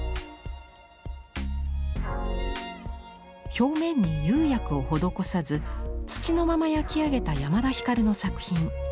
表面に釉薬を施さず土のまま焼き上げた山田光の作品。